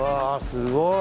すごい！